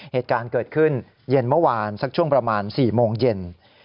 เหตุการณ์เกิดขึ้นเย็นเมื่อวานสักช่วงประมาณ๔โมงเย็น